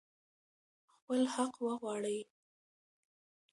خپل حق وغواړئ.